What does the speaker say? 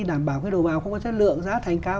đảm bảo cái đầu vào không có chất lượng giá thành cao